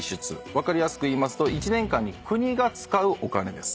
分かりやすく言いますと一年間に国が使うお金です。